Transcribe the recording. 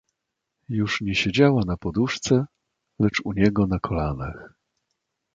"Już nie siedziała na poduszce, lecz u niego na kolanach..."